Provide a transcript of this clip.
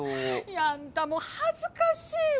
あんたもう恥ずかしいわ！